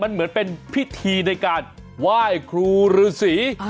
มันเหมือนเป็นพิธีในการไหว้ครูฤษี